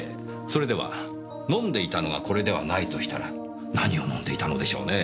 それでは飲んでいたのがこれではないとしたら何を飲んでいたのでしょうね。